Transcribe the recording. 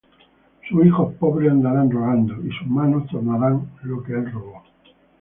Sus hijos pobres andarán rogando; Y sus manos tornarán lo que él robó.